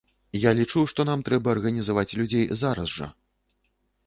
Я лічу, што нам трэба арганізаваць людзей зараз жа.